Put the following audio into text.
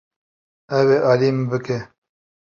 Ew ê alî min bike.